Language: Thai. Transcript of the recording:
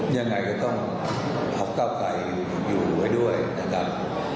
ยังไงก็ต้องพักเก้าไกรอยู่ไว้ด้วยนะครับ